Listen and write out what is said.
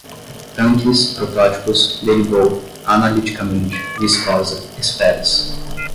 tanques, protótipos, derivou, analiticamente, viscosa, esferas